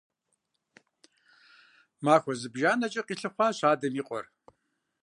Махуэ зыбжанэкӀэ къилъыхъуащ адэм и къуэр.